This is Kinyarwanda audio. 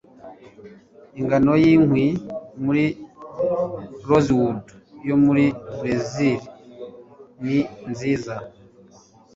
Ingano yinkwi muri rosewood yo muri Berezile ni nziza